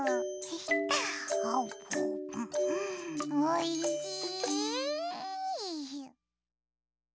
おいしい！